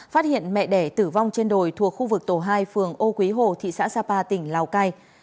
phát hiện mẹ đẻ tử vong trên đồi thuộc khu vực tổ hai phường ô quý hồ thị xã sapa tỉnh lào cai